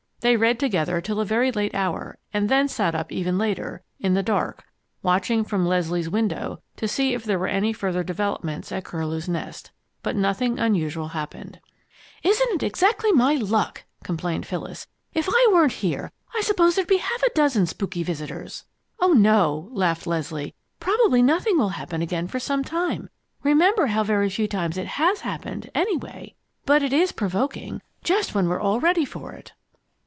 They read together till a very late hour and then sat up even later, in the dark, watching from Leslie's window to see if there were any further developments at Curlew's Nest. But nothing unusual happened. "Isn't that exactly my luck!" complained Phyllis. "If I weren't here, I suppose there'd be a half a dozen spooky visitors!" "Oh, no!" laughed Leslie. "Probably nothing will happen again for some time. Remember how very few times it has happened, anyway. But it is provoking just when we're all ready for it!"